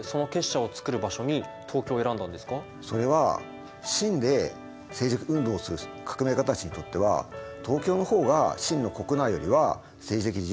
先生それは清で政治運動をする革命家たちにとっては東京の方が清の国内よりは政治的自由があったから。